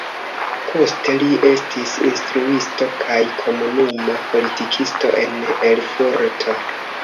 Poste li estis instruisto kaj komunuma politikisto en Erfurto.